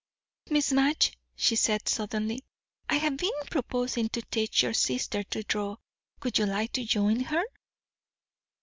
"Miss Madge," she said suddenly, "I have been proposing to teach your sister to draw. Would you like to join her?"